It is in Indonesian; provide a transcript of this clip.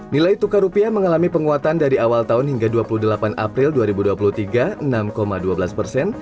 nilai tukar rupiah mengalami penguatan dari awal tahun hingga dua puluh delapan april dua ribu dua puluh tiga enam dua belas persen